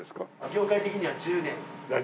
業界的には１０年まあ